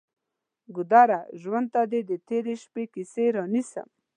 ګودره! ژوند ته دې د تیرې شپې کیسې رانیسم